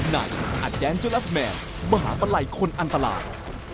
นายอัดแอนเจลัสแมนมหาประไหร่คนอันตราย